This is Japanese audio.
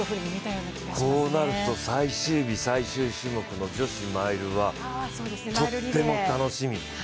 こうなると最終日最終種目の女子マイルはとっても楽しみ。